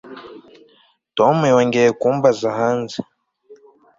Tom yongeye kumbaza hanze